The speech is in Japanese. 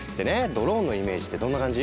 ドローンのイメージってどんな感じ？